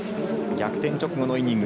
逆転直後のイニング。